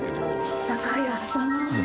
待ったかいあったなあ。